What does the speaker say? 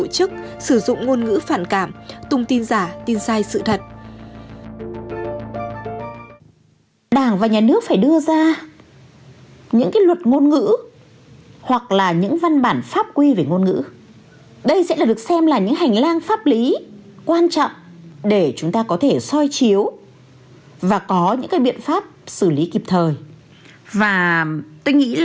các cá nhân tổ chức sử dụng ngôn ngữ phản cảm tung tin giả tin sai sự thật